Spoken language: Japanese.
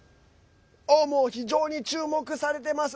もう非常に注目されてます。